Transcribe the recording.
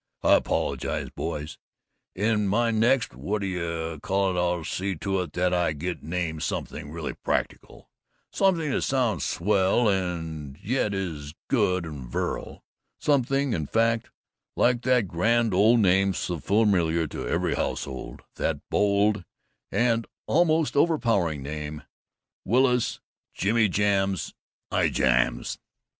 I apologize, boys. In my next what d'you call it I'll see to it that I get named something really practical something that sounds swell and yet is good and virile something, in fact, like that grand old name so familiar to every household that bold and almost overpowering name, Willis Jimjams Ijams!"